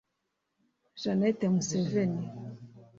Janet Museveni